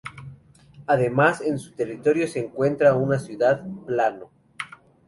Además, en su territorio se encuentra una ciudad, Plano.